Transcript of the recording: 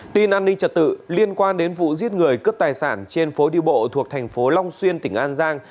tin an ninh trật tự liên quan đến vụ giết người cướp tài sản trên phố đi bộ thuộc thành phố long xuyên tỉnh an giang